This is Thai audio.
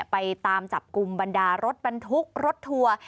ไปตามจับกลุ่มบรรดารถบรรทุกรถทัวร์